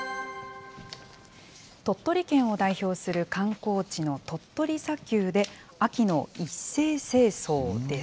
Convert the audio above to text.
鳥取県を代表する、観光地の鳥取砂丘で、秋の一斉清掃です。